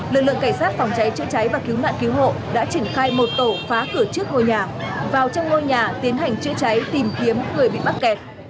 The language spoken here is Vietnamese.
lực lượng cảnh sát phòng cháy chữa cháy và cứu nạn cứu hộ đã triển khai một tổ phá cửa trước ngôi nhà vào trong ngôi nhà tiến hành chữa cháy tìm kiếm người bị mắc kẹt